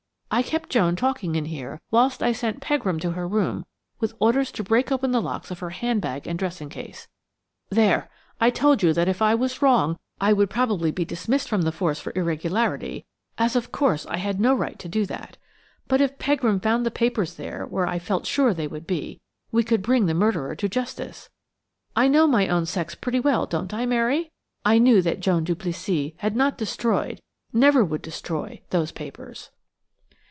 I kept Joan talking in here whilst I sent Pegram to her room with orders to break open the locks of her hand bag and dressing case. There!–I told you that if I was wrong I would probably be dismissed the force for irregularity, as of course I had no right to do that; but if Pegram found the papers there where I felt sure they would be, we could bring the murderer to justice. I know my own sex pretty well, don't I, Mary? I knew that Joan Duplessis had not destroyed–never would destroy–those papers."